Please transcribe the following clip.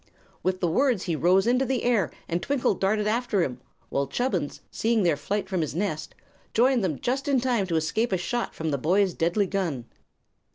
With the words he rose into the air and Twinkle darted after him, while Chubbins, seeing their flight from his nest, joined them just in time to escape a shot from the boy's deadly gun.